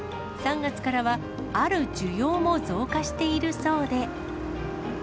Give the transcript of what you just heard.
３月からは、ある需要も増加しているそうで。